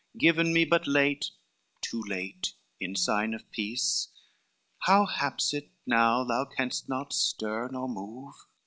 Given me but late, too late, in sign of peace, How haps it now thou canst not stir nor move?